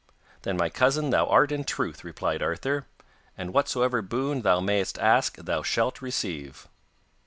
'Then my cousin thou art in truth,' replied Arthur, 'and whatsoever boon thou mayest ask thou shalt receive.